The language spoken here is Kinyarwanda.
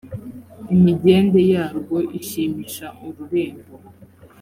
imigende yarwo ishimisha ururembo